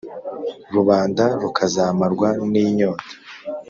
rubanda rukazamarwa n’inyota.